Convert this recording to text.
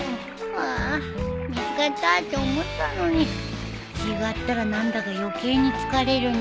ああ見つかったって思ったのに違ったら何だか余計に疲れるね。